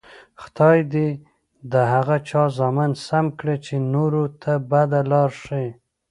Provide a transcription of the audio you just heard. خدای دې د هغه چا زامن سم کړي، چې نورو ته بده لار ښیي.